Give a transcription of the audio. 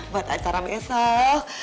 buat acara besok